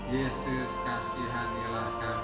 yesus kasihanilah kami